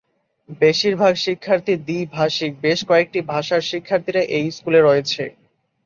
বেশিরভাগ শিক্ষার্থী দ্বিভাষিক, বেশ কয়েকটি ভাষার শিক্ষার্থীরা এই স্কুলে রয়েছে।